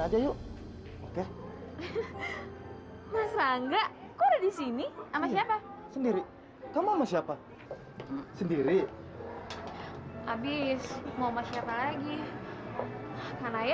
bapak juga sibuk sama kerjaannya